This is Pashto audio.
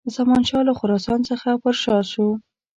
زمانشاه له خراسان څخه پر شا سو.